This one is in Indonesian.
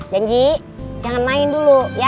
janji jangan main dulu